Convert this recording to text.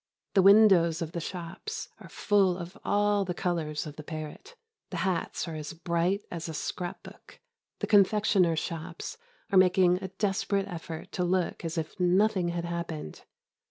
The windows of the shops are full of all the colours of the parrot. The hats are as bright as a scrap book. The confectioners' shops are making a desperate effort to look as if nothing had happened.